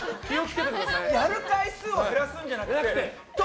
やる回数を減らすんじゃなくて正解！